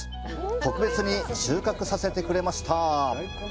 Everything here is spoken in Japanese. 特別に収穫させてくれました。